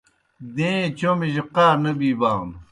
دَیݩے چومِجیْ قا نہ بِیبانوْ